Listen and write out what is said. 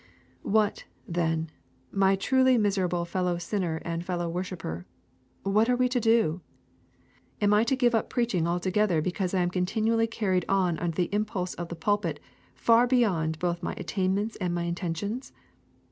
What, then, my truly miserable fellow sinner and fellow worshipper, what are we to do? Am I to give up preaching altogether because I am continually carried on under the impulse of the pulpit far beyond both my attainments and my intentions?